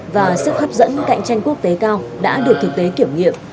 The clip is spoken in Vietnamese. và sức hấp dẫn cạnh tranh quốc tế cao đã được thực tế kiểm nghiệm